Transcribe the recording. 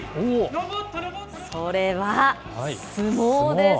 それは、相撲です。